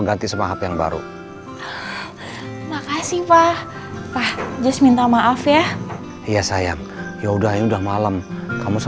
ganti sama hp yang baru makasih pak pak just minta maaf ya iya sayang ya udah udah malam